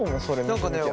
何かね